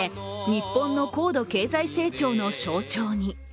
日本の高度経済成長の象徴に。